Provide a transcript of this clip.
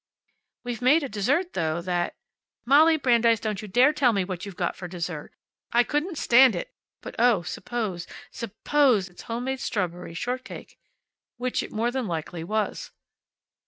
"We've made a dessert, though, that " "Molly Brandeis, don't you dare to tell me what you've got for dessert. I couldn't stand it. But, oh, suppose, SUPPOSE it's homemade strawberry shortcake!" Which it more than likely was.